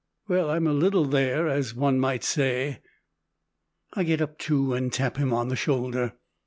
"Well, I'm a little there, as one might say!" I get up too, and tap him on the shoulder.